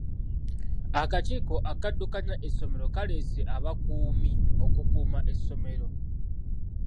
Akakiiko akaddukanya essomero kaaleese abakuumi okukuuma essomero.